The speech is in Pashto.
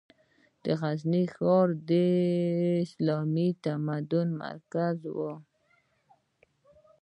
د غزني ښار د اسلامي تمدن مرکز و.